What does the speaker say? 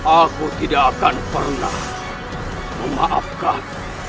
aku tidak akan pernah memaafkan